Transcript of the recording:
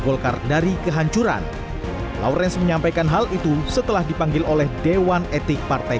golkar dari kehancuran lawrence menyampaikan hal itu setelah dipanggil oleh dewan etik partai